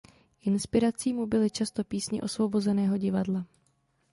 Inspirací mu byly často písně Osvobozeného divadla.